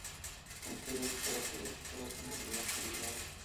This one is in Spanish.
Cumplido el plazo de recuperación volvió a la actividad.